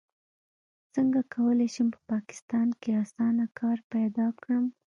څنګه کولی شم په پاکستان کې اسانه کار پیدا کړم